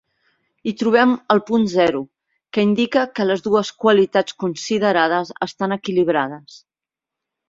Hi trobem el punt zero, que indica que les dues qualitats considerades estan equilibrades.